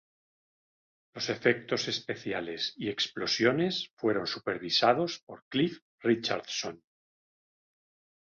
Los efectos especiales y explosiones fueron supervisados por Cliff Richardson.